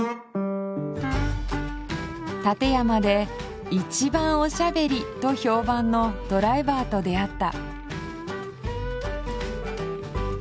館山で一番おしゃべりと評判のドライバーと出会った。